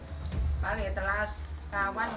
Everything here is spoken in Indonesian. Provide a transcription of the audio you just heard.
kalau mau telas kawan